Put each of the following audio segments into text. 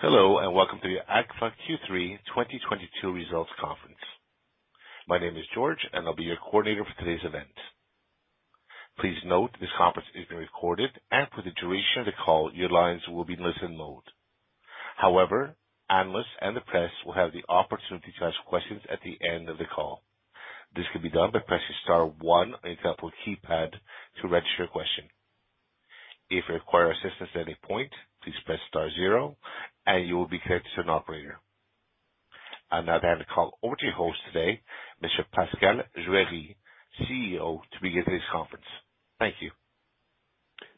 Hello, and welcome to the Agfa Q3 2022 results conference. My name is George and I'll be your coordinator for today's event. Please note this conference is being recorded, and for the duration of the call, your lines will be in listen mode. However, analysts and the press will have the opportunity to ask questions at the end of the call. This can be done by pressing star one on your telephone keypad to register a question. If you require assistance at any point, please press star zero and you will be connected to an operator. I'd now like to hand the call over to your host today, Monsieur Pascal Juéry, CEO, to begin today's conference. Thank you.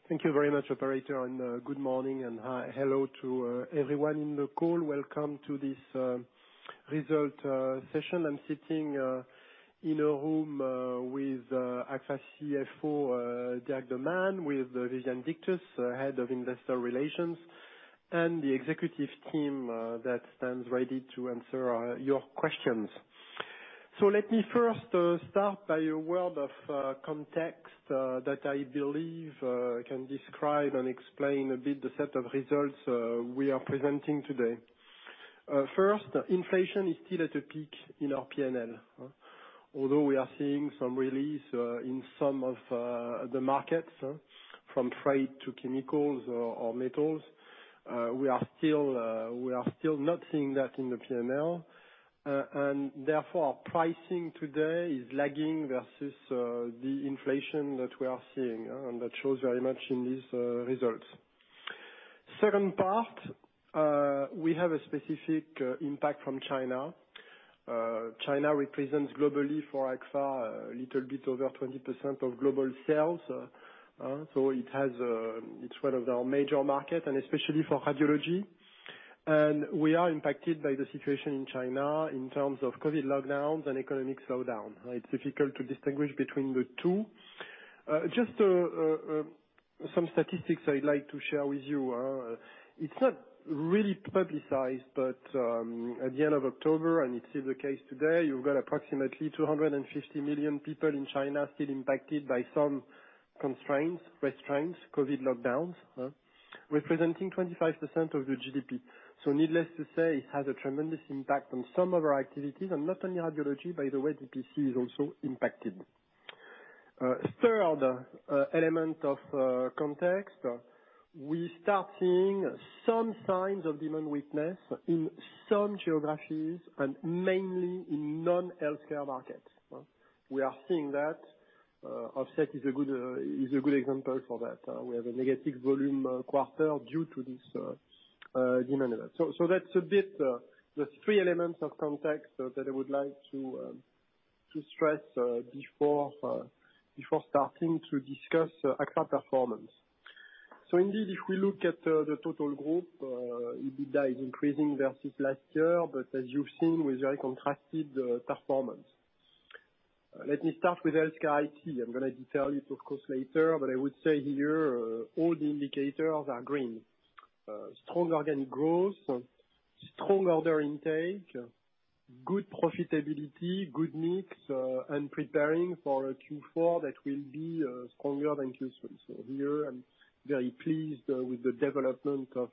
Thank you very much, operator. Good morning and hi. Hello to everyone in the call, welcome to this result session. I'm sitting in a room with Agfa CFO Dirk De Man, with Viviane Dictus, Head of Investor Relations, and the executive team that stands ready to answer your questions. Let me first start by a word of context that I believe can describe and explain a bit the set of results we are presenting today. First, inflation is still at a peak in our P&L. Although we are seeing some release in some of the markets, from trade to chemicals or metals, we are still not seeing that in the P&L. Therefore our pricing today is lagging versus the inflation that we are seeing, and that shows very much in these results. Second part, we have a specific impact from China. China represents globally for Agfa a little bit over 20% of global sales. So it's one of our major markets, and especially for Radiology. We are impacted by the situation in China in terms of COVID lockdowns and economic slowdown. It's difficult to distinguish between the two. Just some statistics I'd like to share with you. It's not really publicized, but at the end of October, and it's still the case today, you've got approximately 250 million people in China still impacted by some constraints, restraints, COVID lockdowns, representing 25% of the GDP. Needless to say, it has a tremendous impact on some of our activities, and not only radiology, by the way, DPC is also impacted. Third element of context, we start seeing some signs of demand weakness in some geographies and mainly in non-healthcare markets. We are seeing that. Offset is a good example for that. We have a negative volume quarter due to this demand. That's a bit the three elements of context that I would like to stress before starting to discuss Agfa performance. Indeed, if we look at the total group, EBITDA is increasing versus last year, but as you've seen with very contrasted performance. Let me start with HealthCare IT. I'm gonna detail it, of course, later, but I would say here all the indicators are green. Strong organic growth, strong order intake, good profitability, good mix, and preparing for a Q4 that will be stronger than Q3. Here I'm very pleased with the development of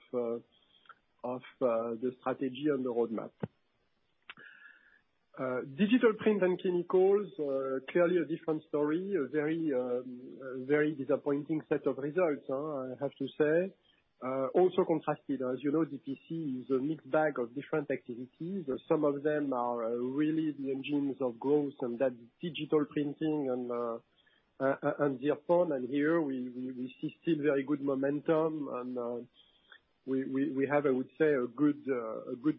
the strategy and the roadmap. Digital Print & Chemicals are clearly a different story, a very disappointing set of results, I have to say. Also contrasted, as you know, DPC is a mixed bag of different activities. Some of them are really the engines of growth, and that is digital printing and ZIRFON, and here we see still very good momentum. We have, I would say, a good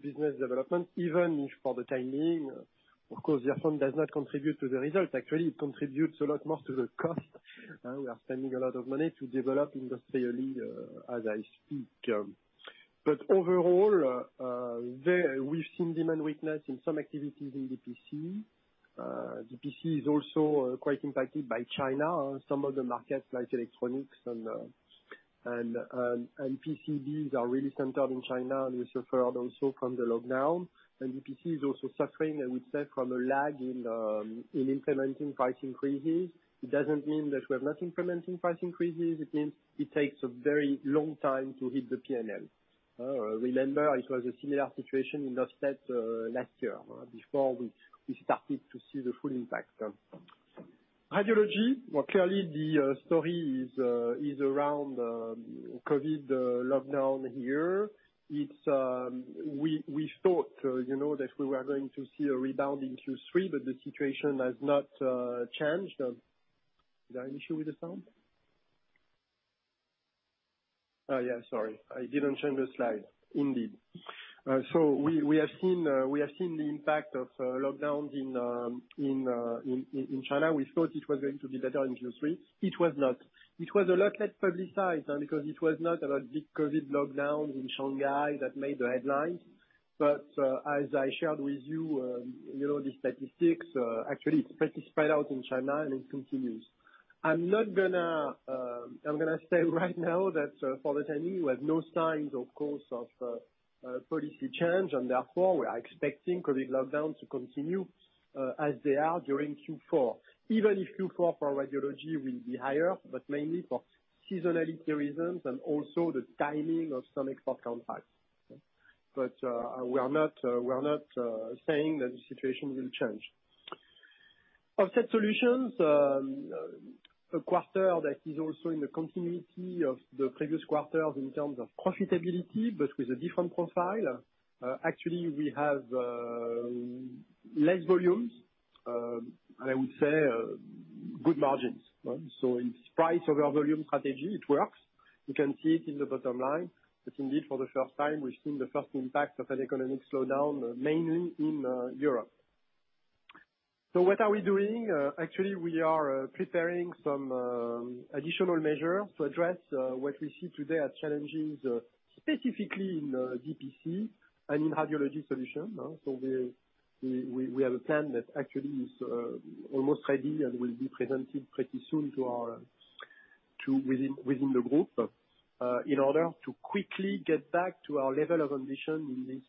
business development, even if for the timing, of course, ZIRFON does not contribute to the result. Actually, it contributes a lot more to the cost. We are spending a lot of money to develop industrially, as I speak. Overall, there we've seen demand weakness in some activities in DPC. DPC is also quite impacted by China. Some of the markets like electronics and PCBs are really centered in China and we suffered also from the lockdown. DPC is also suffering, I would say, from a lag in implementing price increases. It doesn't mean that we're not implementing price increases, it means it takes a very long time to hit the P&L. Remember it was a similar situation in Offset last year before we started to see the full impact. Radiology. Well, clearly the story is around COVID lockdown here. It's. We thought, you know, that we were going to see a rebound in Q3, but the situation has not changed. Is there an issue with the sound? Yeah, sorry. I didn't change the slide. Indeed. We have seen the impact of lockdowns in China. We thought it was going to be better in Q3. It was not. It was a lot less publicized because it was not a big COVID lockdown in Shanghai that made the headlines. As I shared with you know, the statistics. Actually it's pretty spread out in China and it continues. I'm gonna say right now that, for the time being, we have no sign. Of course, of policy change, and therefore we are expecting COVID lockdown to continue, as they are during Q4. Even if Q4 for Radiology will be higher, but mainly for seasonality reasons, and also the timing of some account facts. We are not saying that the situation will change. Offset Solutions, a quarter that is also in the continuity of the previous quarters in terms of profitability, but with a different profile. Actually we have less volumes, and I would say good margins. In spite of our volume strategy, it works. You can see it in the bottom line, but indeed, for the first time we've seen the first impact of an economic slowdown, mainly in Europe. What are we doing? Actually, we are preparing some additional measure to address what we see today as challenges, specifically in DPC and in Radiology Solutions. We have a plan that actually is almost ready and will be presented pretty soon to within the group, in order to quickly get back to our level of ambition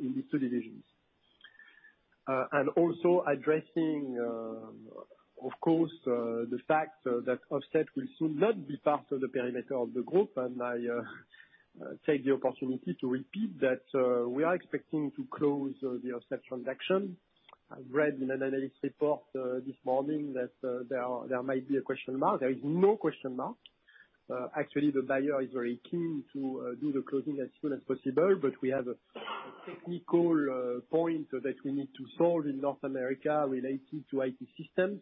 in these two divisions. Also addressing, of course, the fact that Offset will soon not be part of the perimeter of the group. I take the opportunity to repeat that we are expecting to close the Offset transaction. I've read in an analyst report this morning that there might be a question mark. There is no question mark. Actually, the buyer is very keen to do the closing as soon as possible. We have a technical point that we need to solve in North America related to IT systems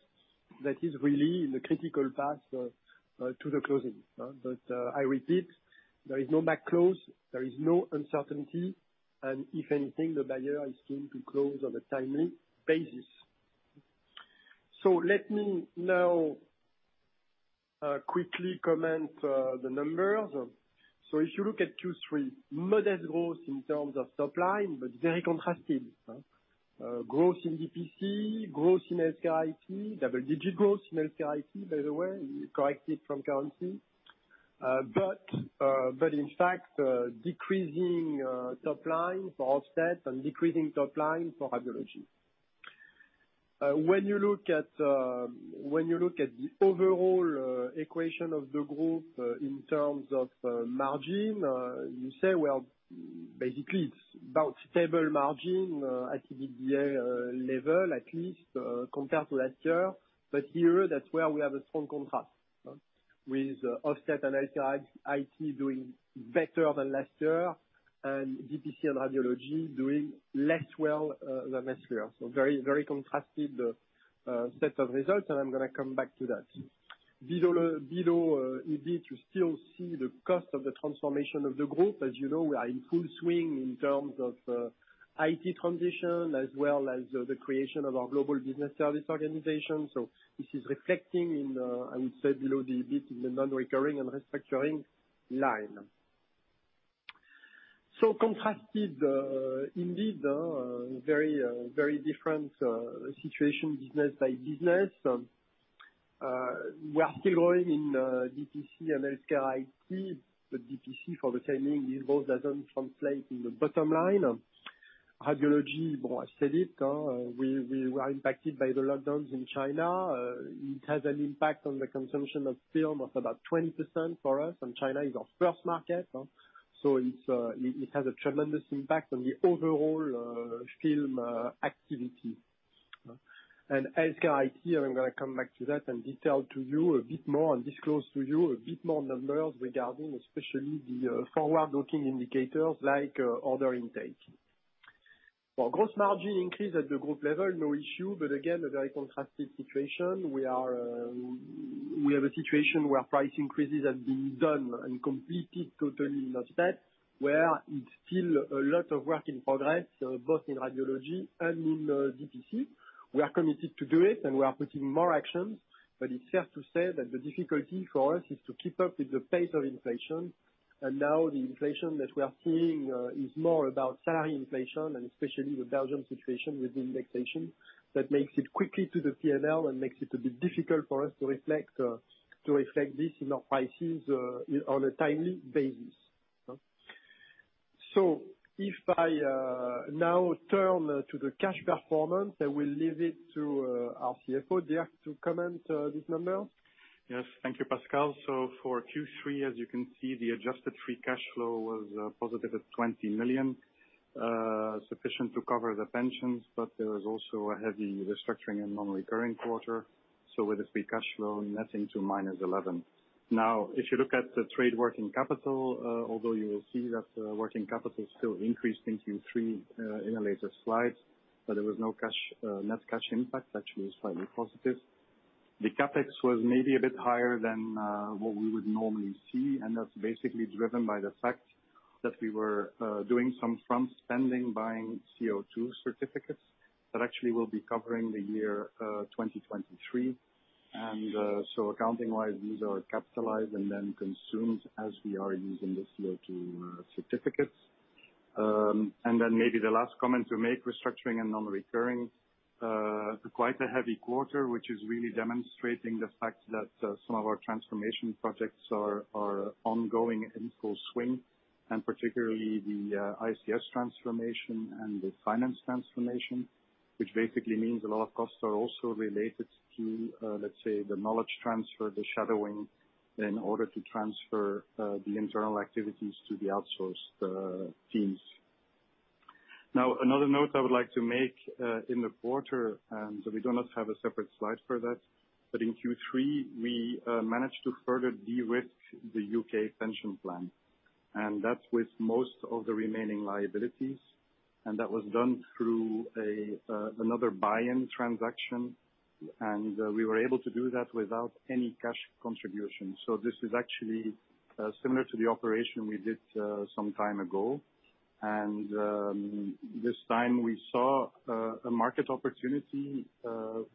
that is really the critical path to the closing. I repeat, there is no back close, there is no uncertainty, and if anything, the buyer is keen to close on a timely basis. Let me now quickly comment the numbers. If you look at Q3, modest growth in terms of top line, but very contrasted. Growth in DPC, growth in HealthCare IT, double-digit growth in HealthCare IT, by the way, corrected from currency. In fact, decreasing top line for Offset and decreasing top line for radiology. When you look at the overall equation of the group in terms of margin, you say, well, basically it's about stable margin at EBITDA level at least, compared to last year. Here, that's where we have a strong contrast with Offset and Healthcare IT doing better than last year and DPC and radiology doing less well than last year. Very, very contrasted set of results, and I'm gonna come back to that. Below EBITDA, you still see the cost of the transformation of the group. As you know, we are in full swing in terms of IT transition as well as the creation of our global business service organization. This is reflecting, I would say, below the line in the non-recurring and restructuring line. In contrast, indeed, very different situation business by business. We are still growing in DPC and HealthCare IT, but DPC for the time being, this growth doesn't translate in the bottom line. Radiology, well, I said it, we were impacted by the lockdowns in China. It has an impact on the consumption of film of about 20% for us, and China is our first market. It has a tremendous impact on the overall film activity. HealthCare IT, I'm gonna come back to that and detail to you a bit more and disclose to you a bit more numbers regarding especially the forward-looking indicators like order intake. For gross margin increase at the group level, no issue, but again, a very contrasted situation. We have a situation where price increases have been done and completed totally in Offset, where it's still a lot of work in progress both in radiology and in DPC. We are committed to do it, and we are putting more actions. But it's fair to say that the difficulty for us is to keep up with the pace of inflation. Now the inflation that we are seeing is more about salary inflation and especially the Belgian situation with indexation that makes it quickly to the P&L and makes it a bit difficult for us to reflect this in our prices on a timely basis. If I now turn to the cash performance, I will leave it to our CFO, Dirk, to comment on this number. Yes, thank you, Pascal. For Q3, as you can see, the adjusted free cash flow was positive at 20 million, sufficient to cover the pensions, but there was also a heavy restructuring and non-recurring quarter, with the free cash flow netting to -11 million. Now, if you look at the trade working capital, although you will see that working capital still increased in Q3, in a later slide, but there was no net cash impact, actually slightly positive. The CapEx was maybe a bit higher than what we would normally see, and that's basically driven by the fact that we were doing some front-loading buying CO2 certificates that actually will be covering the year 2023. Accounting-wise, these are capitalized and then consumed as we are using these CO2 certificates. Maybe the last comment to make, restructuring and non-recurring, quite a heavy quarter, which is really demonstrating the fact that some of our transformation projects are ongoing in full swing, and particularly the ICT transformation and the finance transformation, which basically means a lot of costs are also related to, let's say, the knowledge transfer, the shadowing, in order to transfer the internal activities to the outsourced teams. Now, another note I would like to make in the quarter, so we do not have a separate slide for that, but in Q3, we managed to further de-risk the U.K. pension plan, and that's with most of the remaining liabilities, and that was done through another buy-in transaction, and we were able to do that without any cash contribution. This is actually similar to the operation we did some time ago. This time we saw a market opportunity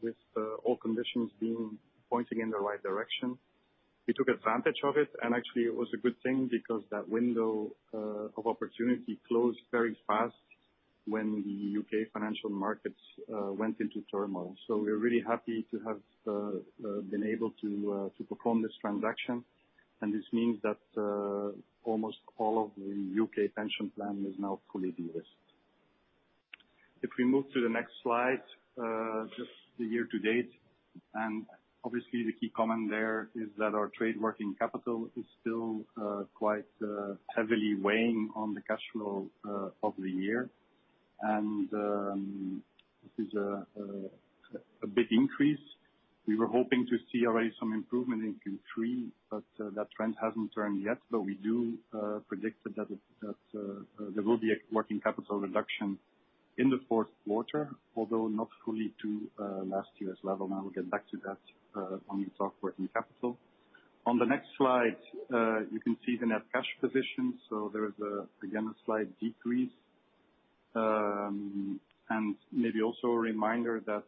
with all conditions pointing in the right direction. We took advantage of it, and actually it was a good thing because that window of opportunity closed very fast when the U.K. financial markets went into turmoil. We're really happy to have been able to perform this transaction, and this means that almost all of the U.K. pension plan is now fully de-risked. If we move to the next slide, just the year to date, and obviously the key comment there is that our trade working capital is still quite heavily weighing on the cash flow of the year. This is a big increase. We were hoping to see already some improvement in Q3, but that trend hasn't turned yet, though we do predict that there will be a working capital reduction in the fourth quarter, although not fully to last year's level. I will get back to that when we talk working capital. On the next slide, you can see the net cash position. There is again a slight decrease, and maybe also a reminder that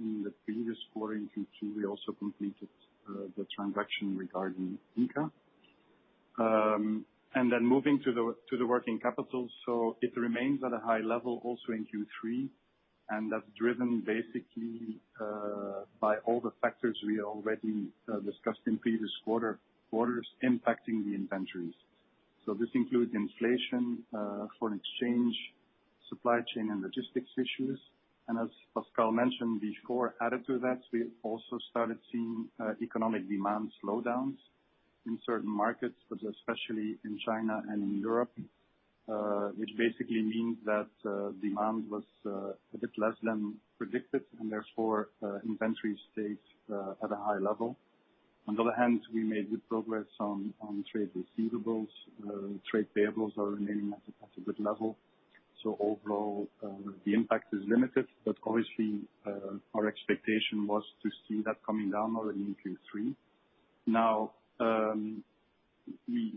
in the previous quarter, in Q2, we also completed the transaction regarding Inca. Moving to the working capital, it remains at a high level also in Q3, and that's driven basically by all the factors we already discussed in previous quarter, quarters impacting the inventories. This includes inflation, foreign exchange, supply chain and logistics issues, and as Pascal mentioned before, added to that, we also started seeing economic demand slowdowns in certain markets, but especially in China and in Europe, which basically means that demand was a bit less than predicted, and therefore inventory stays at a high level. On the other hand, we made good progress on trade receivables. Trade payables are remaining at a good level. Overall, the impact is limited, but obviously, our expectation was to see that coming down already in Q3. Now, we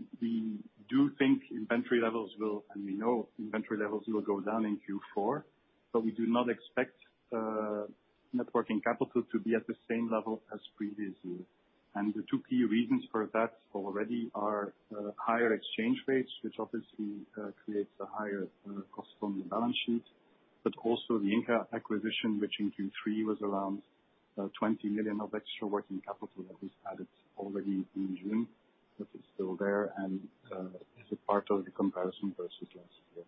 do think inventory levels will go down in Q4, and we know inventory levels will go down in Q4, but we do not expect net working capital to be at the same level as previous year. The two key reasons for that already are higher exchange rates, which obviously creates a higher cost on the balance sheet, but also the Inca acquisition, which in Q3 was around 20 million of extra working capital that was added already in June. That is still there and is a part of the comparison versus last year.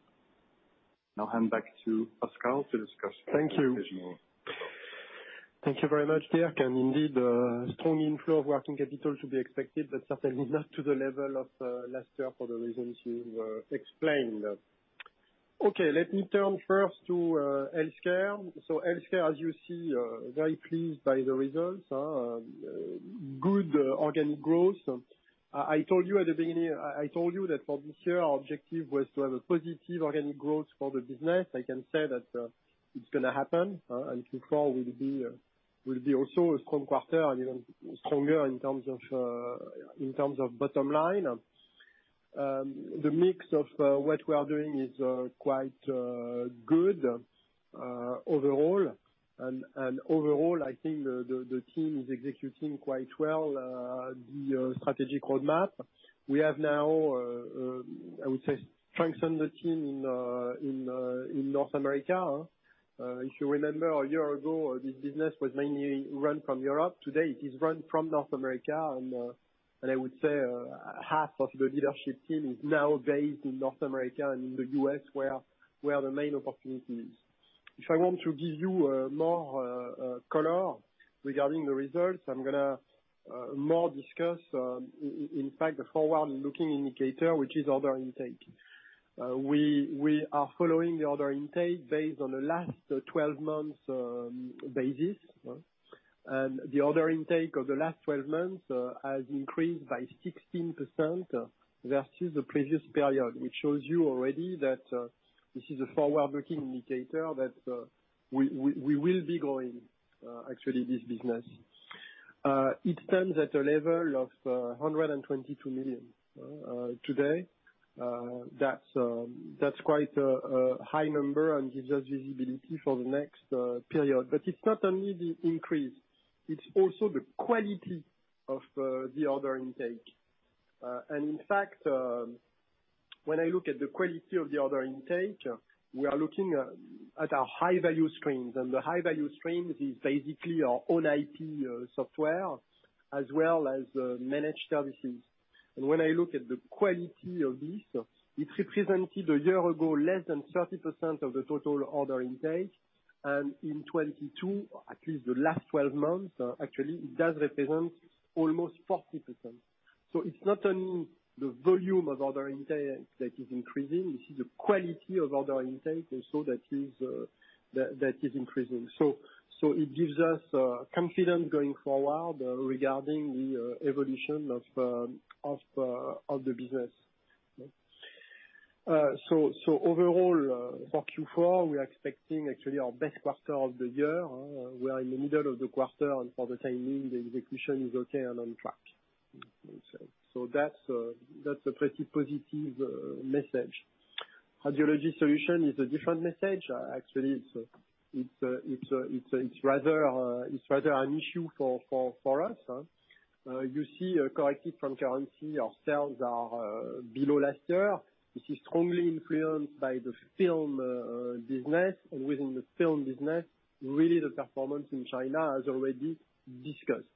Now I hand back to Pascal to discuss. Thank you. The additional details. Thank you very much, Dirk. Indeed, strong inflow of working capital to be expected, but certainly not to the level of last year for the reasons you explained. Okay, let me turn first to HealthCare. HealthCare, as you see, very pleased by the results. Good organic growth. I told you at the beginning, I told you that for this year, our objective was to have a positive organic growth for the business. I can say that it's gonna happen, and Q4 will be also a strong quarter and even stronger in terms of bottom line. The mix of what we are doing is quite good overall. Overall, I think the team is executing quite well the strategic roadmap. We have now, I would say, strengthened the team in North America. If you remember, a year ago, this business was mainly run from Europe. Today, it is run from North America, and I would say, half of the leadership team is now based in North America and in the U.S., where the main opportunity is. If I want to give you more color regarding the results, I'm gonna discuss more, in fact, the forward-looking indicator, which is order intake. We are following the order intake based on the last 12 months basis. The order intake of the last 12 months has increased by 16% versus the previous period, which shows you already that this is a forward-looking indicator that we will be growing actually this business. It stands at a level of 122 million today. That's quite a high number and gives us visibility for the next period. It's not only the increase. It's also the quality of the order intake. In fact, when I look at the quality of the order intake, we are looking at our high value streams. The high value streams is basically our own IP software, as well as managed services. When I look at the quality of this, it represented a year ago, less than 30% of the total order intake. In 2022, at least the last 12 months, actually it does represent almost 40%. It's not only the volume of order intake that is increasing, it is the quality of order intake also that is increasing. It gives us confidence going forward regarding the evolution of the business. Overall, for Q4, we are expecting actually our best quarter of the year. We are in the middle of the quarter and for the time being the execution is okay and on track. That's a pretty positive message. Dentistry solution is a different message. Actually, it's rather an issue for us. You see a correction from currency. Our sales are below last year. This is strongly influenced by the film business. Within the film business, really the performance in China, as already discussed.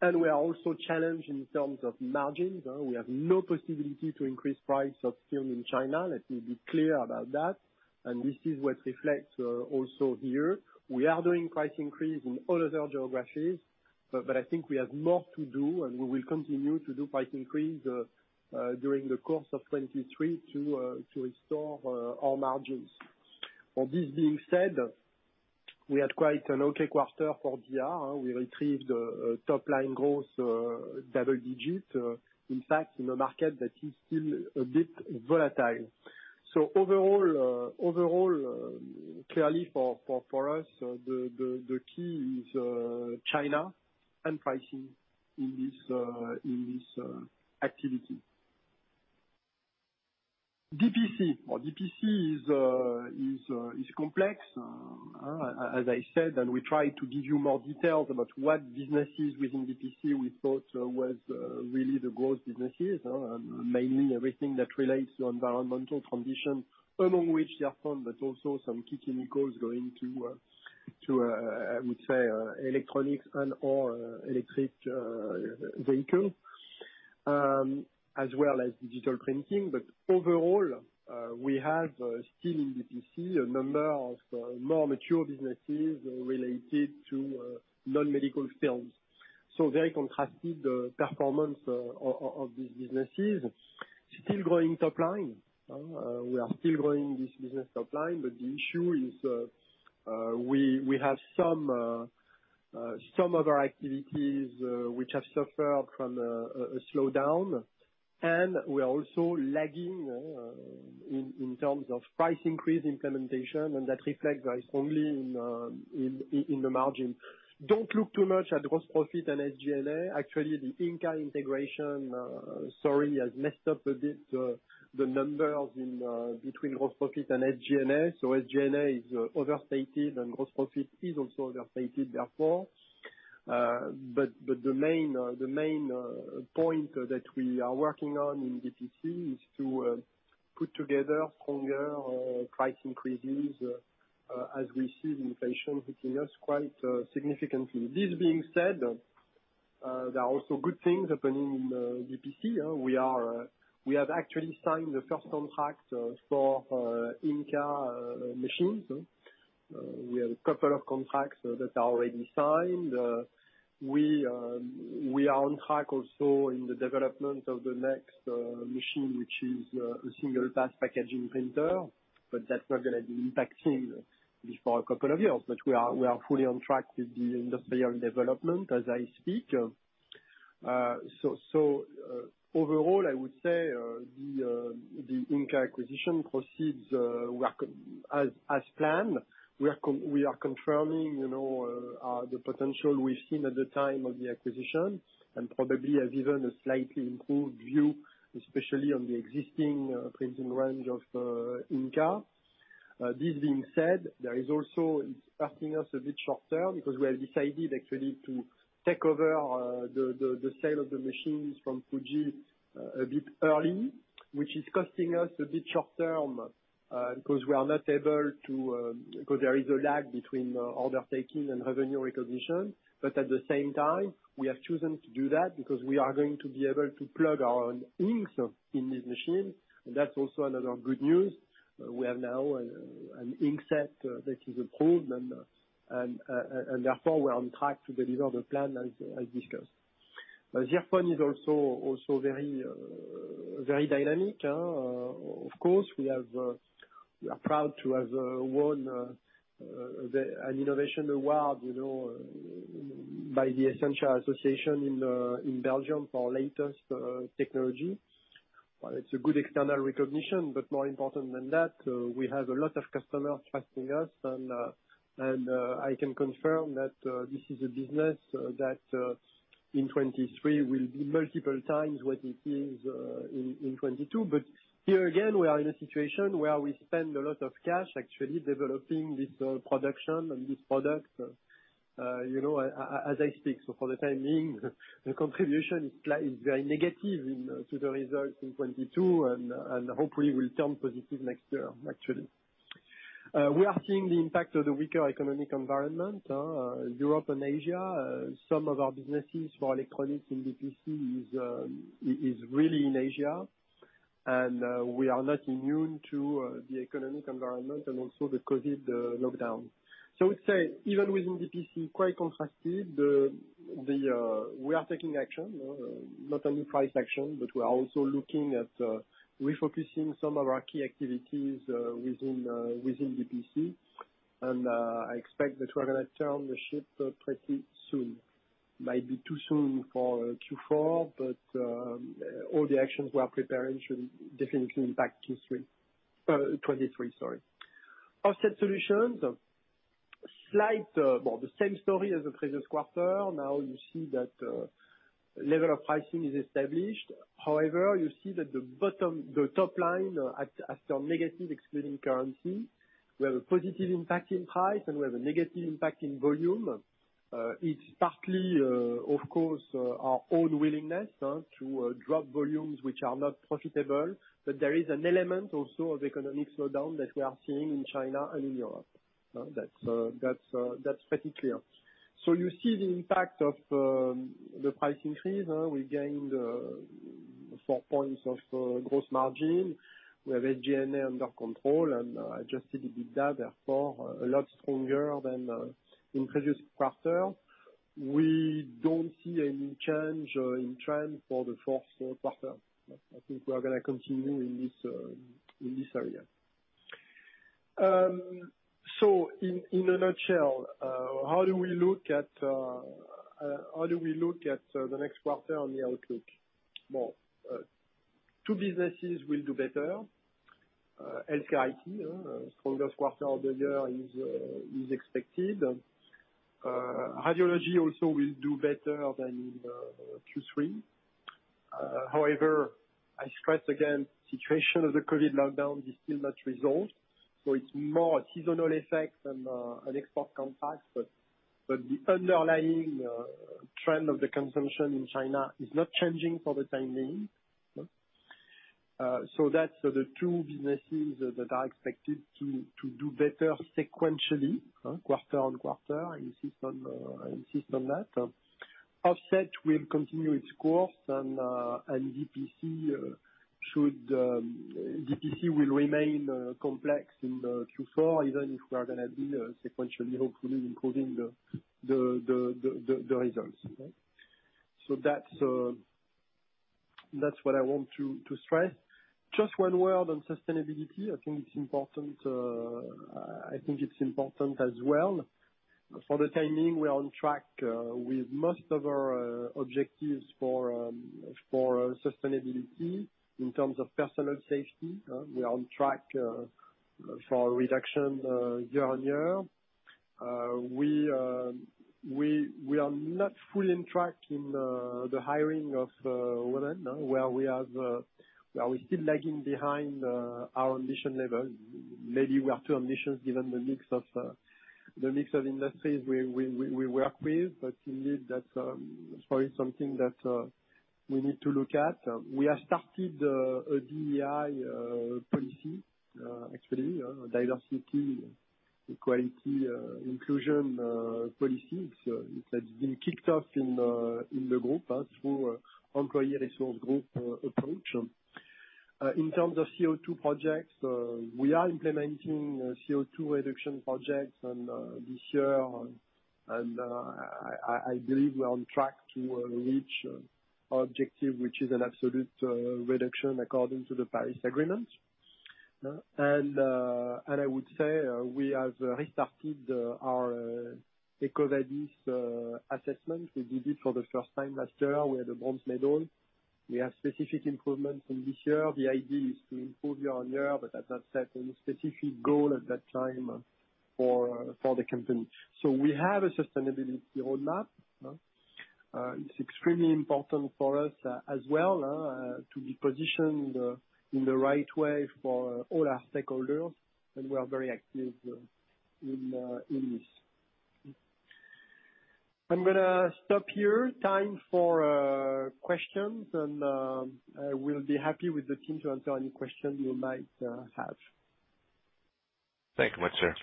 We are also challenged in terms of margins. We have no possibility to increase price of film in China. Let me be clear about that. This is what reflects also here. We are doing price increase in all other geographies, but I think we have more to do, and we will continue to do price increase during the course of 2023 to restore our margins. All this being said, we had quite an okay quarter for DR. We retrieved a top-line growth double digits, in fact in a market that is still a bit volatile. Overall, clearly for us, the key is China and pricing in this activity. DPC. Well, DPC is complex. As I said, we try to give you more details about what businesses within DPC we thought was really the growth businesses. Mainly everything that relates to environmental condition, among which they are found, but also some key chemicals going to, I would say, electronics and/or electric vehicle. As well as digital printing. Overall, we have still in DPC a number of more mature businesses related to non-medical films. Very contrasted performance of these businesses. Still growing top line. We are still growing this business top line. The issue is, we have some of our activities which have suffered from a slowdown, and we are also lagging in terms of price increase implementation. That reflects very strongly in the margin. Don't look too much at the gross profit and SG&A. Actually, the Inca integration, sorry, has messed up a bit the numbers in between gross profit and SG&A. SG&A is overstated and gross profit is also overstated, therefore. The main point that we are working on in DPC is to put together stronger price increases as we see the inflation hitting us quite significantly. This being said, there are also good things happening in DPC. We have actually signed the first contract for Inca machines. We have a couple of contracts that are already signed. We are on track also in the development of the next machine, which is a single pass packaging printer. That's not gonna be impacting before a couple of years. We are fully on track with the industrial development as I speak. Overall, I would say, the Inca acquisition proceeds as planned. We are confirming, you know, the potential we've seen at the time of the acquisition and probably has even a slightly improved view, especially on the existing printing range of Inca. This being said, there is also it's costing us a bit short term because we have decided actually to take over the sale of the machines from Fujifilm a bit early, which is costing us a bit short term because we are not able to because there is a lag between order taking and revenue recognition. At the same time, we have chosen to do that because we are going to be able to plug our own inks in these machines. That's also another good news. We have now an ink set that is approved and therefore we're on track to deliver the plan as discussed. ZIRFON is also very dynamic. Of course, we are proud to have won an innovation award, you know, by the essenscia association in Belgium for latest technology. It's a good external recognition, but more important than that, we have a lot of customers trusting us and I can confirm that this is a business that in 2023 will be multiple times what it is in 2022. Here again, we are in a situation where we spend a lot of cash actually developing this production and this product, you know, as I speak. For the time being, the contribution is very negative into the results in 2022 and hopefully will turn positive next year actually. We are seeing the impact of the weaker economic environment, Europe and Asia. Some of our businesses for electronics in DPC is really in Asia. We are not immune to the economic environment, and also the COVID lockdown. I would say even within VPC, quite contrasted, we are taking action. Not only price action, but we are also looking at refocusing some of our key activities within VPC. I expect that we're gonna turn the ship pretty soon. Might be too soon for Q4 but all the actions we are preparing should definitely impact Q3 2023, sorry. Offset Solutions, slight, well, the same story as the previous quarter. Now you see that level of pricing is established. However, you see that the top line are still negative excluding currency. We have a positive impact in price, and we have a negative impact in volume. It's partly, of course, our own willingness to drop volumes which are not profitable. There is an element also of economic slowdown that we are seeing in China and in Europe. That's pretty clear. You see the impact of the price increase. We gained four points of gross margin. We have SG&A under control, and adjusted EBITDA, therefore, a lot stronger than in previous quarter. We don't see any change in trend for the fourth quarter. I think we are gonna continue in this area. In a nutshell, how do we look at the next quarter on the outlook? Well, two businesses will do better. Healthcare IT, stronger quarter of the year is expected. Radiology also will do better than in Q3. However, I stress again, situation of the COVID lockdown is still not resolved, so it's more a seasonal effect than an export impact. The underlying trend of the consumption in China is not changing for the time being. That's the two businesses that are expected to do better sequentially, quarter-on-quarter. I insist on that. Offset will continue its course and DP&C will remain complex in the Q4, even if we are gonna be sequentially, hopefully, improving the results. That's what I want to stress. Just one word on sustainability. I think it's important as well. For the time being, we are on track with most of our objectives for sustainability in terms of personal safety. We are on track for reduction year-on-year. We are not fully on track in the hiring of women, where we're still lagging behind our ambition level. Maybe we are too ambitious given the mix of industries we work with, but indeed that's probably something that we need to look at. We have started a DEI policy actually. Diversity, Equality, Inclusion policy. It has been kicked off in the group through employee resource group approach. In terms of CO2 projects, we are implementing CO2 reduction projects and this year, I believe we're on track to reach objective, which is an absolute reduction according to the Paris Agreement. I would say we have restarted our EcoVadis assessment. We did it for the first time last year. We had a bronze medal. We have specific improvements from this year. The idea is to improve year-on-year, but I've not set any specific goal at that time for the company. We have a sustainability roadmap. It's extremely important for us as well to be positioned in the right way for all our stakeholders, and we are very active in this. I'm gonna stop here. Time for questions and I will be happy with the team to answer any questions you might have. Thank you much, sir.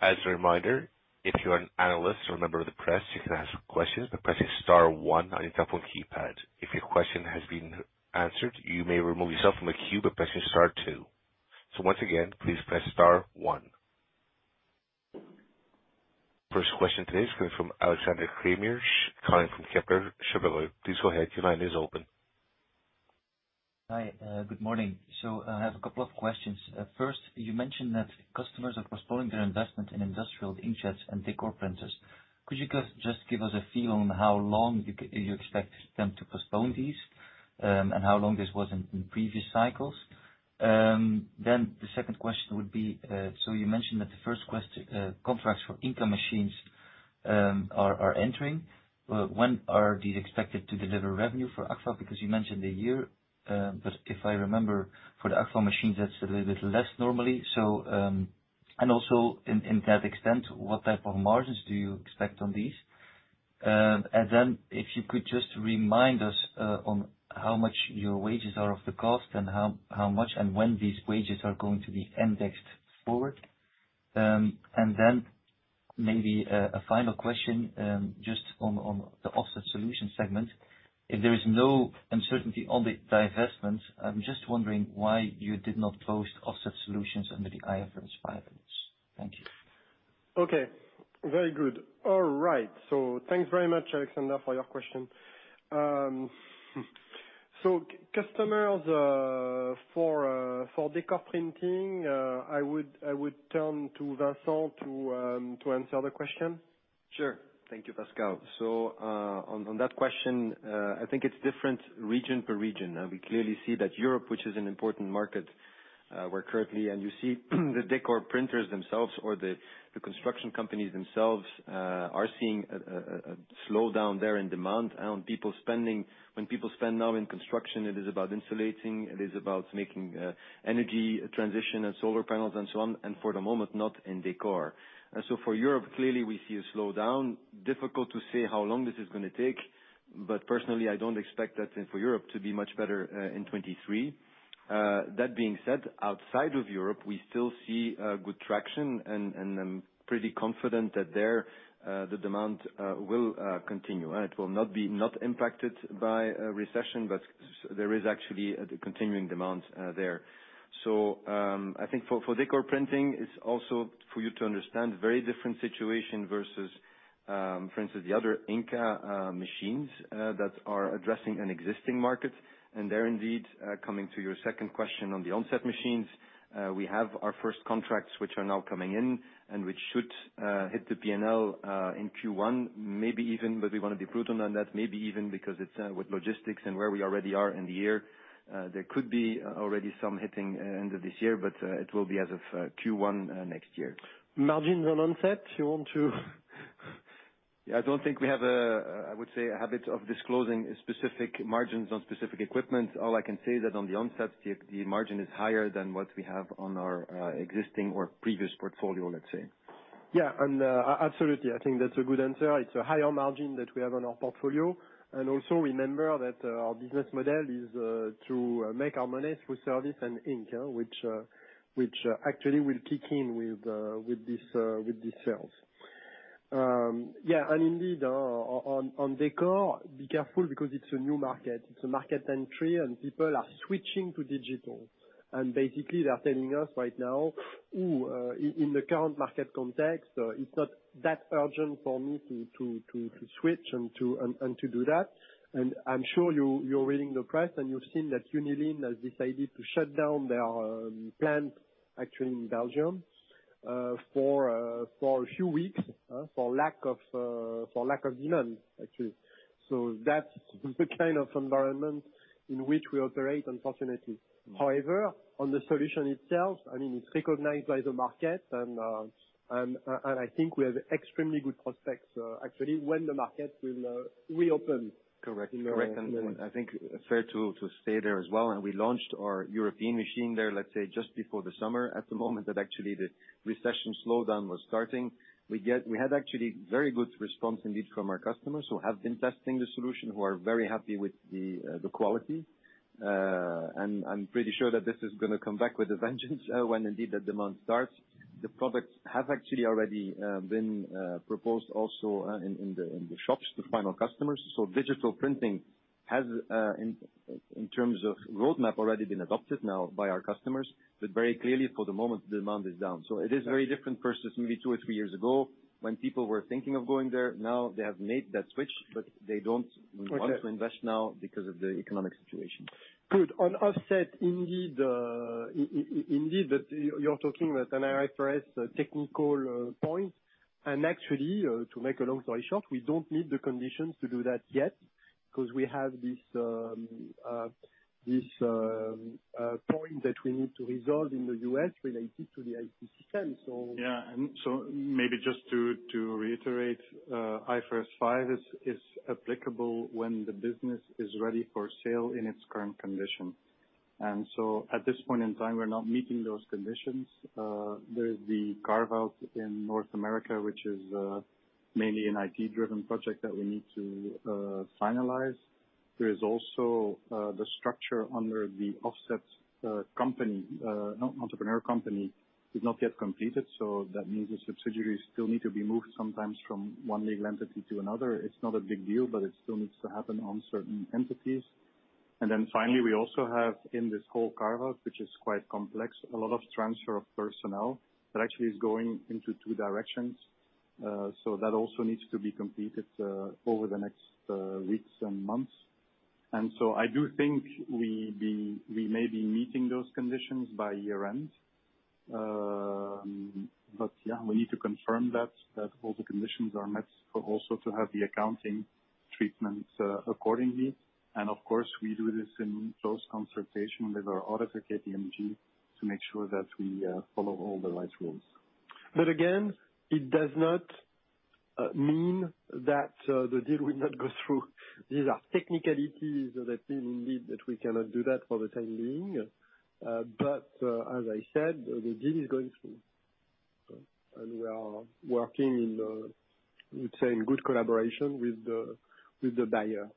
As a reminder, if you're an analyst or a member of the press, you can ask questions by pressing star one on your telephone keypad. If your question has been answered, you may remove yourself from the queue by pressing star two. Once again, please press star one. First question today is coming from Alexander Craeymeersch, calling from Kepler Cheuvreux. Please go ahead, your line is open. Hi, good morning. I have a couple of questions. First, you mentioned that customers are postponing their investment in industrial inkjets and decor printers. Could you just give us a feel on how long you expect them to postpone these? How long this was in previous cycles. The second question would be, you mentioned that the first contracts for Inca machines are entering. When are these expected to deliver revenue for Agfa? Because you mentioned the year, but if I remember for the Agfa machines that's a little bit less normally. Also in that extent, what type of margins do you expect on these? If you could just remind us on how much your wages are of the cost and how much and when these wages are going to be indexed forward. Maybe a final question just on the Offset Solutions segment. If there is no uncertainty on the divestments, I'm just wondering why you did not post Offset Solutions under the IFRS filings. Thank you. Okay. Very good. All right. Thanks very much, Alexander, for your question. Customers for decor printing, I would turn to Vincent to answer the question. Sure. Thank you, Pascal. So, on that question, I think it's different region per region. We clearly see that Europe, which is an important market, where currently you see the decor printers themselves or the construction companies themselves are seeing a slowdown there in demand and people spending. When people spend now in construction, it is about insulating, it is about making energy transition and solar panels and so on, and for the moment not in decor. For Europe, clearly we see a slowdown. Difficult to say how long this is gonna take, but personally I don't expect that for Europe to be much better in 2023. That being said, outside of Europe we still see good traction and I'm pretty confident that there the demand will continue. It will not be impacted by a recession, but there is actually a continuing demand there. I think for decor printing, it's also for you to understand very different situation versus, for instance the other Inca machines that are addressing an existing market. There indeed, coming to your second question on the Onset machines, we have our first contracts which are now coming in and which should hit the P&L in Q1 maybe even, but we wanna be prudent on that. Maybe even because it's with logistics and where we already are in the year, there could be already some hitting end of this year, but it will be as of Q1 next year. Margins on Onset, you want to.. Yeah, I don't think we have a I would say a habit of disclosing specific margins on specific equipment. All I can say is that on the Onset the margin is higher than what we have on our existing or previous portfolio, let's say. Yeah. Absolutely, I think that's a good answer. It's a higher margin that we have on our portfolio. Also remember that our business model is to make our money through service and ink, which actually will kick in with these sales. Indeed, on decor, be careful because it's a new market. It's a market entry and people are switching to digital. Basically they are telling us right now, "In the current market context, it's not that urgent for me to switch and to do that." I'm sure you're reading the press and you've seen that Unilin has decided to shut down their plant actually in Belgium for a few weeks for lack of demand actually. That's the kind of environment in which we operate, unfortunately. However, on the solution itself, I mean, it's recognized by the market and I think we have extremely good prospects, actually when the market will reopen. Correct. I think it's fair to say there as well. We launched our European machine there, let's say just before the summer at the moment that actually the recession slowdown was starting. We had actually very good response indeed from our customers who have been testing the solution, who are very happy with the quality. I'm pretty sure that this is gonna come back with a vengeance when indeed the demand starts. The products have actually already been proposed also in the shops to final customers. Digital printing has in terms of roadmap already been adopted now by our customers, but very clearly for the moment demand is down. It is very different versus maybe two or three years ago when people were thinking of going there. Now they have made that switch, but they don't want to invest now because of the economic situation. Good. On offset indeed, but you're talking at an IFRS technical point. Actually, to make a long story short, we don't need the conditions to do that yet, 'cause we have this point that we need to resolve in the U.S. related to the [LPC council, and so. Maybe just to reiterate, IFRS 5 is applicable when the business is ready for sale in its current condition. At this point in time, we're not meeting those conditions. There is the carve-out in North America, which is mainly an IT-driven project that we need to finalize. There is also the structure under the Offset company, enterprise company is not yet completed, so that means the subsidiaries still need to be moved sometimes from one legal entity to another. It's not a big deal, but it still needs to happen on certain entities. Finally, we also have in this whole carve-out, which is quite complex, a lot of transfer of personnel that actually is going into two directions. That also needs to be completed over the next weeks and months. I do think we may be meeting those conditions by year-end. Yeah, we need to confirm that all the conditions are met for also to have the accounting treatments accordingly. Of course, we do this in close consultation with our auditor, KPMG, to make sure that we follow all the right rules. Again, it does not mean that the deal will not go through. These are technicalities that we cannot do for the time being. As I said, the deal is going through, and we are working, I would say, in good collaboration with the buyer.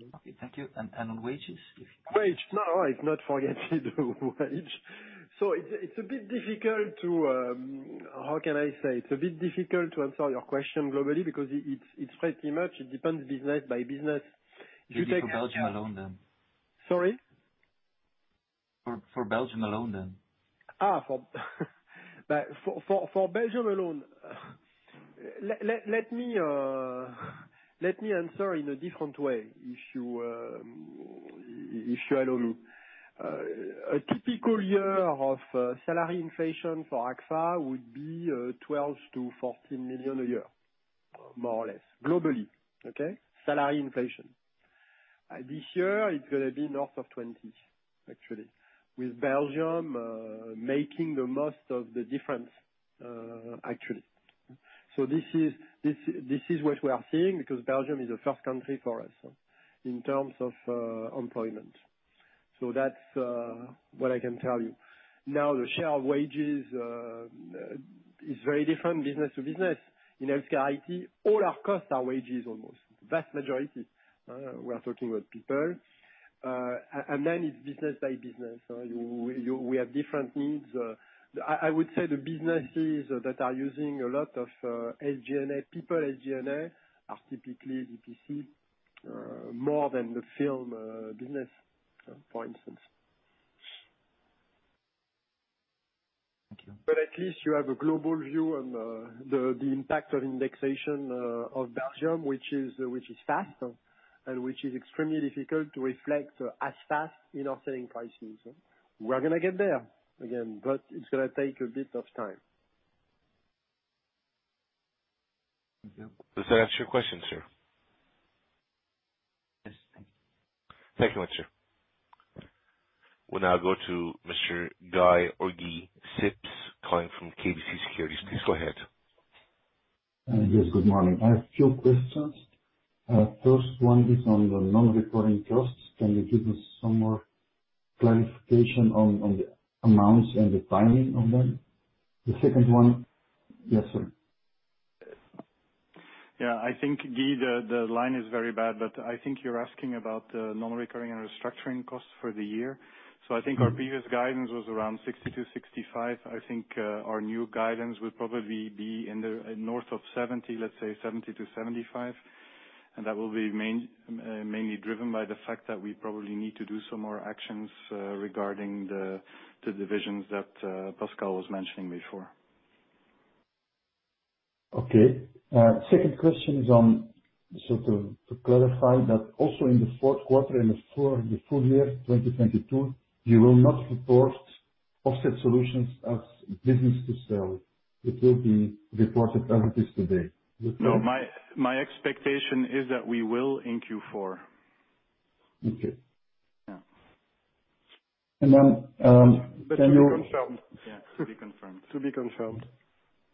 Okay. Thank you. On wages. Wage. No, I've not forgotten the wage. It's a bit difficult to answer your question globally because it's very much it depends business by business. If you take- Just for Belgium alone, then. Sorry? For Belgium alone, then. For Belgium alone. Let me answer in a different way, if you allow me. A typical year of salary inflation for Agfa would be 12 million-14 million a year, more or less. Globally, okay? Salary inflation. This year it's gonna be north of 20 million, actually. With Belgium making the most of the difference, actually. That's what I can tell you. Now, the share of wages is very different business to business. In Agfa IT, all our costs are wages, almost. Vast majority. We are talking with people. And then it's business by business. We have different needs. I would say the businesses that are using a lot of Agfa people are typically BPC more than the film business, for instance. Thank you. At least you have a global view on the impact of indexation of Belgium, which is fast and extremely difficult to reflect as fast in our selling prices. We're gonna get there, again, but it's gonna take a bit of time. Thank you. Does that answer your question, sir? Yes. Thank you. Thank you much, sir. We'll now go to Mr. Guy Sips calling from KBC Securities. Please go ahead. Yes, good morning. I have two questions. First one is on the non-recurring costs. Can you give me some more clarification on the amounts and the timing of them? The second one. Yes, sir. Yeah. I think, Guy, the line is very bad, but I think you're asking about the non-recurring and restructuring costs for the year. I think our previous guidance was around 60 million-65 million. I think our new guidance would probably be in the north of 70 million, let's say 70 million-75 million. That will be mainly driven by the fact that we probably need to do some more actions regarding the divisions that Pascal was mentioning before. Second question is to clarify that also in the fourth quarter, in the full year 2022, you will not report Offset Solutions as business to sell. It will be reported as it is today. No, my expectation is that we will in Q4. Okay. Yeah. Can you? To be confirmed. Yeah, to be confirmed. To be confirmed.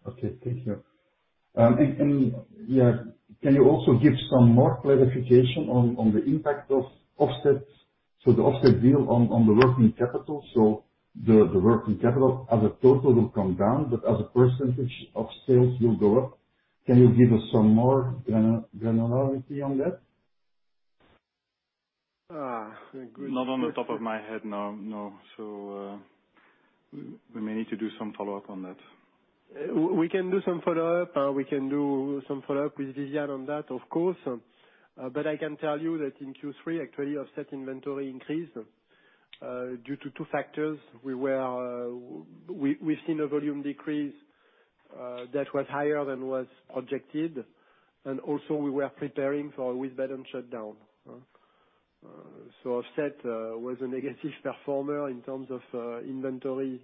Okay. Thank you. Can you also give some more clarification on the impact of offsets? The offset deal on the working capital. The working capital as a total will come down, but as a percentage of sales will go up. Can you give us some more granularity on that? Uh, good- Not on the top of my head, no. No. We may need to do some follow-up on that. We can do some follow-up with Viviane on that, of course. I can tell you that in Q3 actually, Offset inventory increased due to two factors. We've seen a volume decrease that was higher than was projected. Also we were preparing for Wisbech shutdown. Offset was a negative performer in terms of inventory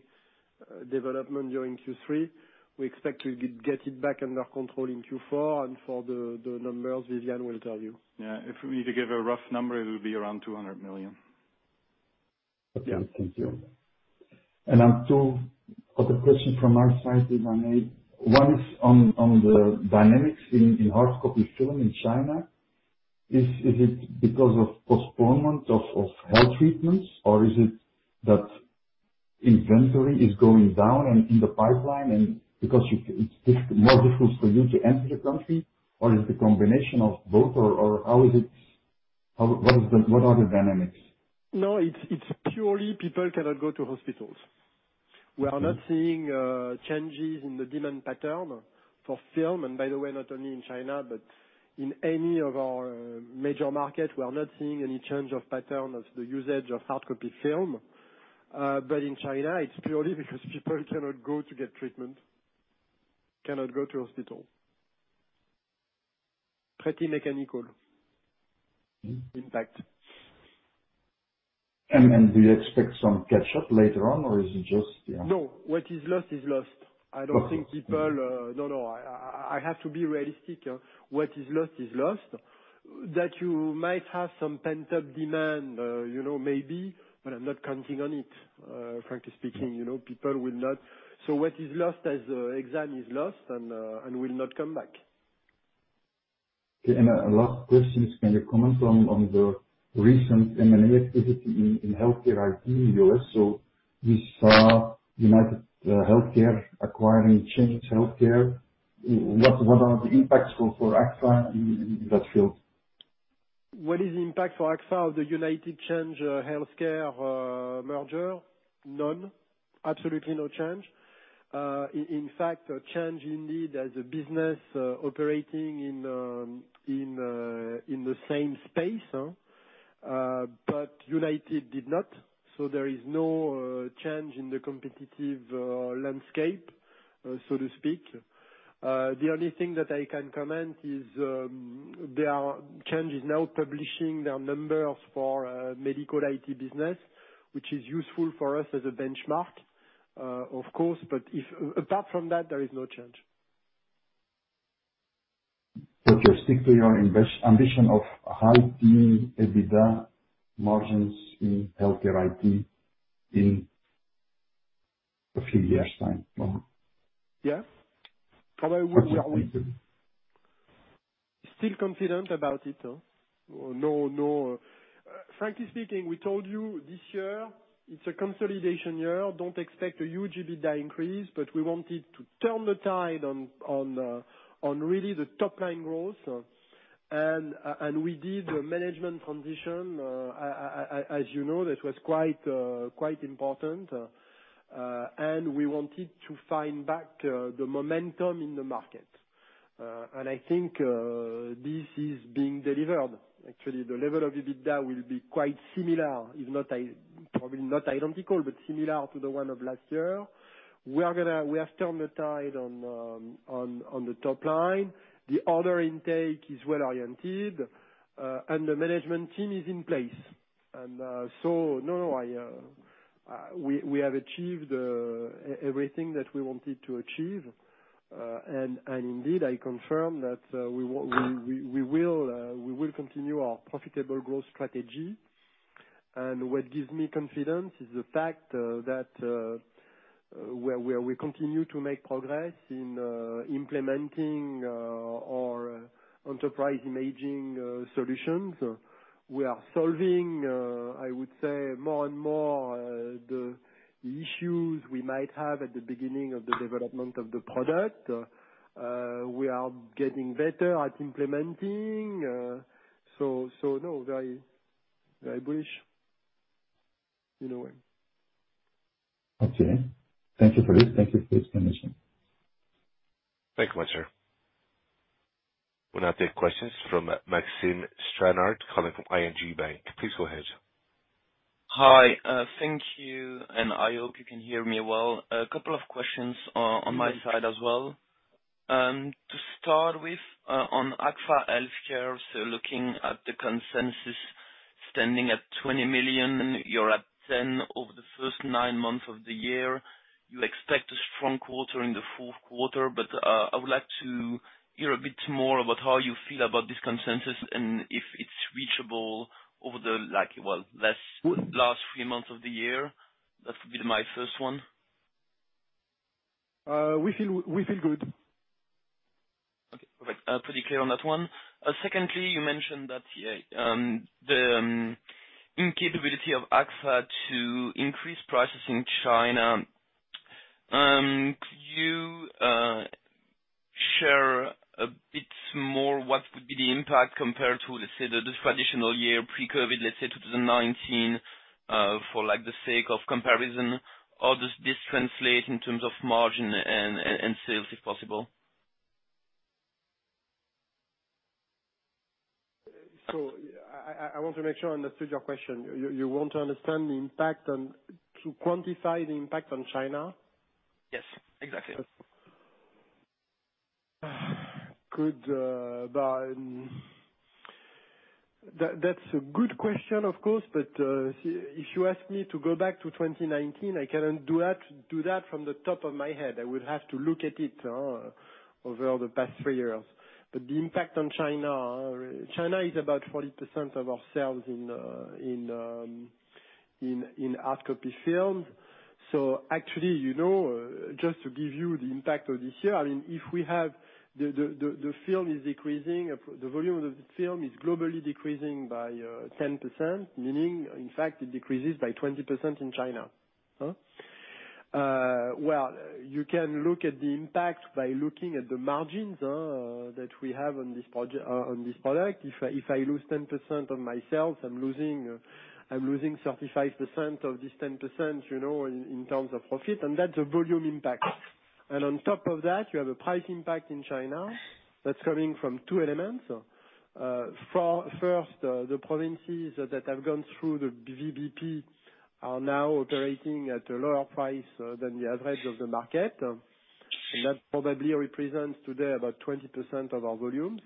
development during Q3. We expect to get it back under control in Q4. For the numbers, Viviane will tell you. Yeah, if we need to give a rough number, it would be around 200 million. Okay. Thank you. Two other question from our side, if I may. One is on the dynamics in hard copy film in China. Is it because of postponement of health treatments? Or is it that inventory is going down and in the pipeline and because it's more difficult for you to enter the country? Or is it a combination of both? What are the dynamics? No, it's purely people cannot go to hospitals. We are not seeing changes in the demand pattern for film. By the way, not only in China, but in any of our major markets, we are not seeing any change of pattern of the usage of hard copy film. In China it's purely because people cannot go to get treatment, cannot go to hospital. Pretty mechanical- Mm-hmm impact. Do you expect some catch up later on or is it just yeah? No, what is lost is lost. Okay. I have to be realistic. What is lost is lost. That you might have some pent-up demand, you know, maybe, but I'm not counting on it, frankly speaking, you know, people will not come back. What is lost is lost and will not come back. Okay. A last question is, can you comment on the recent M&A activity in healthcare IT in the U.S.? We saw UnitedHealth Group acquiring Change Healthcare. What are the impacts for Agfa in that field? What is the impact for Agfa of the UnitedHealth Change Healthcare merger? None. Absolutely no change. In fact, Change indeed has a business operating in the same space, but United did not, so there is no change in the competitive landscape, so to speak. The only thing that I can comment is, Change is now publishing their numbers for medical IT business, which is useful for us as a benchmark, of course. Apart from that, there is no change. Okay. Stick to your investment ambition of high EBITDA margins in HealthCare IT in a few years' time, or? Although we are still confident about it. No, no. Frankly speaking, we told you this year it's a consolidation year. Don't expect a huge EBITDA increase, but we wanted to turn the tide on really the top line growth. We did the management transition, as you know, that was quite important. We wanted to find back the momentum in the market. I think this is being delivered. Actually, the level of EBITDA will be quite similar, if not probably not identical, but similar to the one of last year. We have turned the tide on the top line. The order intake is well-oriented, and the management team is in place. We have achieved everything that we wanted to achieve. I confirm that we will continue our profitable growth strategy. What gives me confidence is the fact that we continue to make progress in implementing our Enterprise Imaging solutions. We are solving, I would say more and more, the issues we might have at the beginning of the development of the product. We are getting better at implementing. Very bullish, you know. Okay. Thank you for this. Thank you for the explanation. Thank you much, sir. We'll now take questions from Maxime Stranart calling from ING Bank. Please go ahead. Hi, thank you, and I hope you can hear me well. A couple of questions on my side as well. To start with, on Agfa HealthCare, so looking at the consensus standing at 20 million, you're at 10 million over the first nine months of the year. You expect a strong quarter in the fourth quarter. I would like to hear a bit more about how you feel about this consensus and if it's reachable over the, like, well, last. W- Last three months of the year. That would be my first one. We feel good. Okay, perfect. Pretty clear on that one. Secondly, you mentioned that the inability of Agfa to increase prices in China. Could you share a bit more what could be the impact compared to, let's say, the traditional year pre-COVID, let's say 2019, for like the sake of comparison? Or does this translate in terms of margin and sales, if possible? I want to make sure I understood your question. You want to quantify the impact on China? Yes, exactly. That's a good question, of course, if you ask me to go back to 2019, I cannot do that from the top of my head. I would have to look at it over the past three years. The impact on China is about 40% of our sales in hard copy films. So actually, you know, just to give you the impact of this year, I mean, if the film is decreasing, the volume of the film is globally decreasing by 10%, meaning in fact it decreases by 20% in China. Well, you can look at the impact by looking at the margins that we have on this product. If I lose 10% of my sales, I'm losing 35% of this 10%, you know, in terms of profit, and that's a volume impact. On top of that, you have a price impact in China that's coming from two elements. First, the provinces that have gone through the VBP are now operating at a lower price than the average of the market. That probably represents today about 20% of our volumes.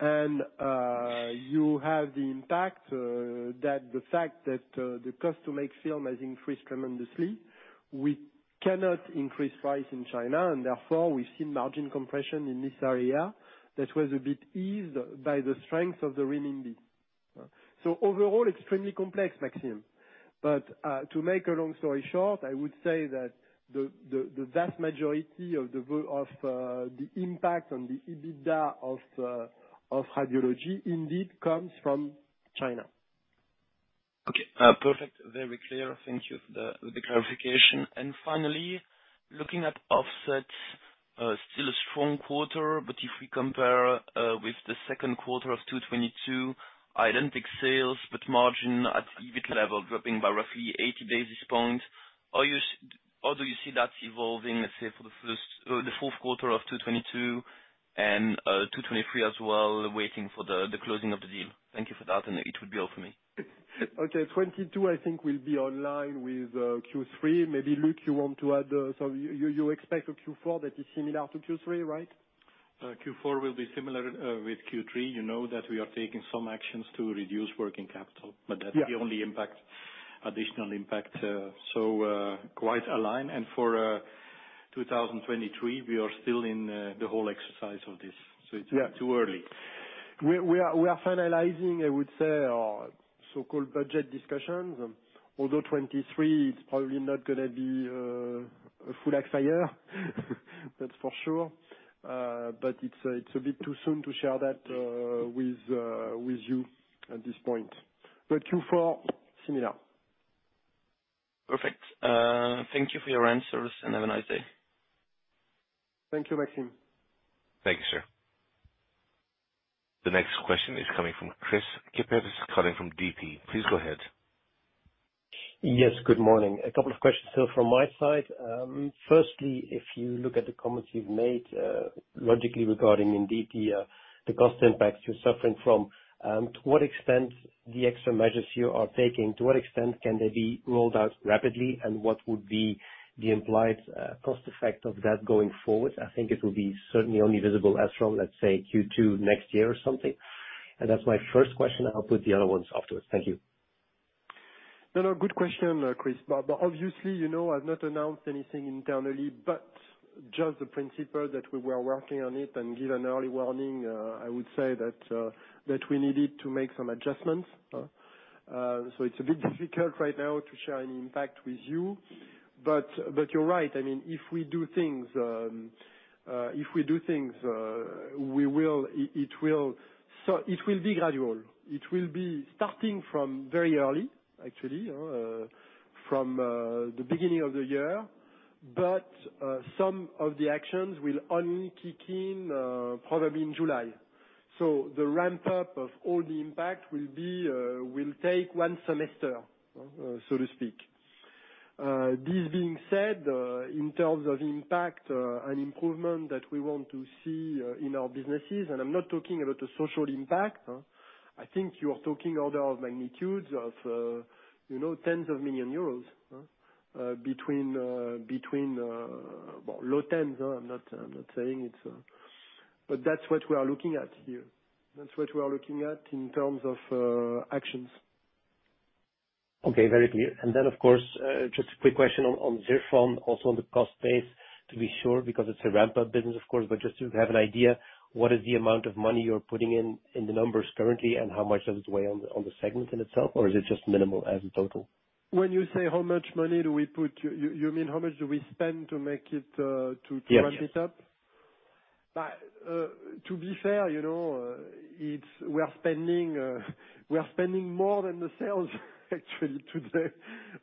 You have the impact that the fact that the cost to make film has increased tremendously. We cannot increase price in China, and therefore, we've seen margin compression in this area that was a bit eased by the strength of the renminbi. Overall, extremely complex, Maxime. To make a long story short, I would say that the vast majority of the impact on the EBITDA of Radiology indeed comes from China. Okay. Perfect. Very clear. Thank you for the clarification. Finally, looking at offset, still a strong quarter, but if we compare with the second quarter of 2022, identical sales, but margin at EBIT level dropping by roughly 80 basis points. How do you see that evolving, let's say for the fourth quarter of 2022 and 2023 as well, waiting for the closing of the deal? Thank you for that, and it would be all for me. Okay, 2022, I think will be online with Q3. Maybe Vincent, you want to add, so you expect a Q4 that is similar to Q3, right? Q4 will be similar with Q3. You know that we are taking some actions to reduce working capital. Yeah. That's the only additional impact, so quite aligned. For 2023, we are still in the whole exercise of this. Yeah. It's too early. We are finalizing, I would say, our so-called budget discussions. Although 2023, it's probably not gonna be a full FX year, that's for sure. It's a bit too soon to share that with you at this point. Q4, similar. Perfect. Thank you for your answers and have a nice day. Thank you, Maxime. Thank you, sir. The next question is coming from Kris Kippers calling from DP. Please go ahead. Yes, good morning. A couple of questions still from my side. Firstly, if you look at the comments you've made, logically regarding indeed the cost impacts you're suffering from, to what extent the extra measures you are taking, to what extent can they be rolled out rapidly? What would be the implied cost effect of that going forward? I think it will be certainly only visible as from, let's say, Q2 next year or something. That's my first question. I'll put the other ones afterwards. Thank you. No, no. Good question, Kris. Obviously, you know, I've not announced anything internally, but just the principle that we were working on it and give an early warning. I would say that we needed to make some adjustments. It's a bit difficult right now to share any impact with you. You're right. I mean, if we do things, it will be gradual. It will be starting from very early actually, from the beginning of the year. Some of the actions will only kick in probably in July. The ramp up of all the impact will take one semester, so to speak. This being said, in terms of impact and improvement that we want to see in our businesses, and I'm not talking about the social impact. I think you are talking order of magnitudes of, you know, tens of millions euros, between, well, low tens. I'm not saying it's. That's what we are looking at here. That's what we are looking at in terms of actions. Okay, very clear. Of course, just a quick question on CapEx also on the cost base to be sure, because it's a ramp-up business, of course, but just to have an idea, what is the amount of money you're putting in the numbers currently and how much does it weigh on the segment in itself? Or is it just minimal as a total? When you say how much money do we put, you mean how much do we spend to make it, to ramp it up? Yes. To be fair, you know, it's we are spending more than the sales actually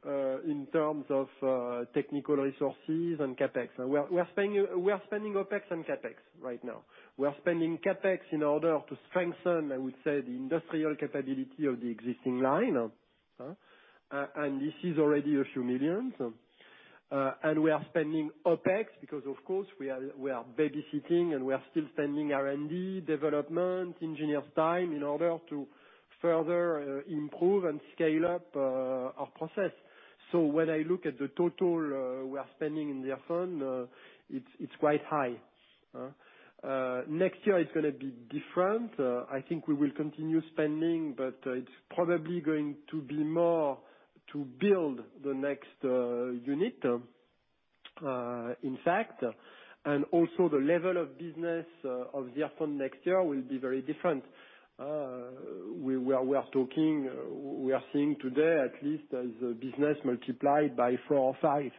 in terms of technical resources and CapEx. We are spending OpEx and CapEx right now. We are spending CapEx in order to strengthen, I would say, the industrial capability of the existing line and this is already a few millions. We are spending OpEx because, of course, we are babysitting and we are still spending R&D, development, engineers' time in order to further improve and scale up our process. When I look at the total we are spending, it's quite high. Next year it's gonna be different. I think we will continue spending, but it's probably going to be more to build the next unit, in fact. Also the level of business of ZIRFON next year will be very different. We are seeing today at least as a business multiplied by four or five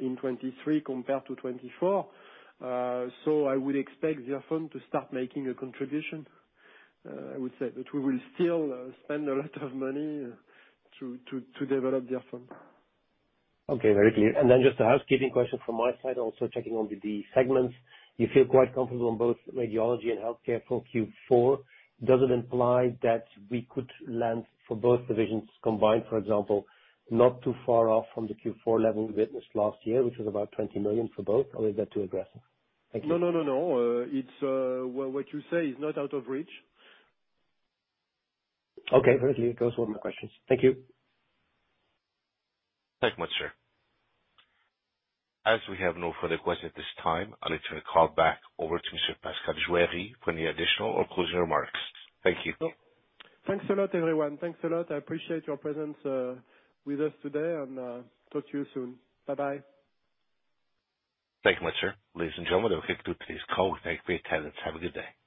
in 2023 compared to 2024. I would expect ZIRFON to start making a contribution, I would say. We will still spend a lot of money to develop ZIRFON. Okay, very clear. Just a housekeeping question from my side, also checking on the segments. You feel quite comfortable on both radiology and healthcare for Q4. Does it imply that we could land for both divisions combined, for example, not too far off from the Q4 level we witnessed last year, which was about 20 million for both, or is that too aggressive? Thank you. No. It's what you say is not out of reach. Okay, very clear. Those were my questions. Thank you. Thank you much, sir. As we have no further questions at this time, I'll let you call back over to Monsieur Pascal Juéry for any additional or closing remarks. Thank you. Thanks a lot, everyone. Thanks a lot. I appreciate your presence with us today, and talk to you soon. Bye-bye. Thank you much, sir. Ladies and gentlemen, that will conclude today's call. Thank you for your attendance. Have a good day.